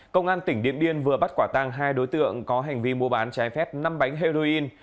công an tỉnh điện biên vừa bắt quả tăng hai đối tượng có hành vi mua bán trái phép năm bánh heroin